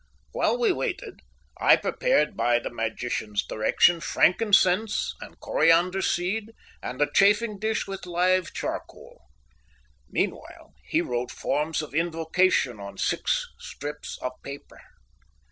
While we waited, I prepared by the magician's direction frankincense and coriander seed, and a chafing dish with live charcoal. Meanwhile, he wrote forms of invocation on six strips of paper.